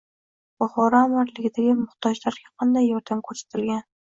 Buxoro amirligidagi muhtojlarga qanday yordam ko‘rsatilgan?